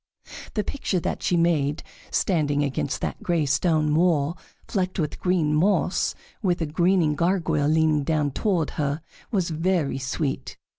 The picture that she made, standing against that gray stone wall flecked with green moss, with a grinning gargoyle leaning down toward her, was very sweet.